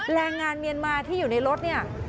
แรงงานเมียนมาที่อยู่ในรถเนี่ย